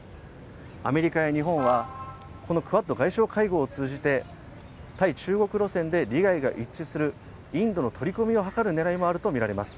アメリカや日本はこのクアッド外相会合を通じて、対中国路線で利害が一致するインドの取り込みを図る狙いもあるとみられます。